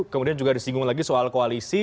kemudian juga disinggung lagi soal koalisi